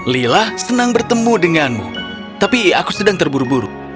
lila senang bertemu denganmu tapi aku sedang terburu buru